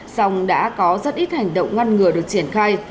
song đã có rất ít hành động ngăn ngừa được triển khai